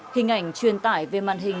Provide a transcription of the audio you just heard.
hình ảnh truyền tải về màn hình